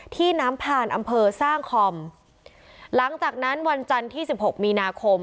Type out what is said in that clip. ที่น้ำผ่านอำเภอสร้างคอมหลังจากนั้นวันจันทร์ที่สิบหกมีนาคม